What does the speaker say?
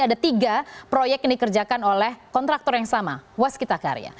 ada tiga proyek yang dikerjakan oleh kontraktor yang sama waskita karya